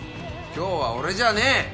今日は俺じゃねぇ！